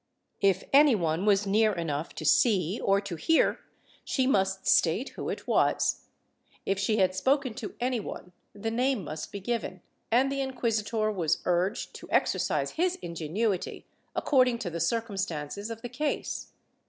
If any one was near enough to see or to hear, she must state who it was ; if she had spoken to any one, the name must be given, and the inquisitor was urged to exercise his ingenuity according to the circumstances of the case.